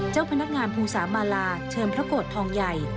เจ้าพนักงานภูสามาลาเชิญพระโกรธทองใหญ่